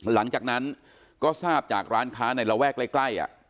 หลังจากนั้นก็ทราบจากร้านค้าในระแวกใกล้